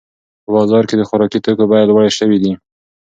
په بازار کې د خوراکي توکو بیې لوړې شوې دي.